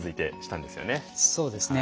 そうですね。